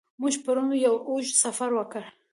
موږ پرون یو اوږد سفر وکړ.